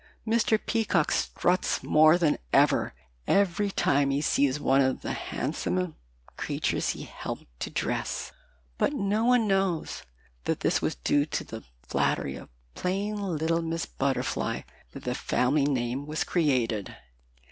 Mr. Peacock struts more than ever every time he sees one of the handsome creatures he helped to dress, but no one knows that it was due to the flattery of plain little Miss Butterfly that the family name was created.